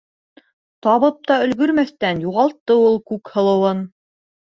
Табып та өлгөрмәҫтән юғалтты ул Күкһылыуын.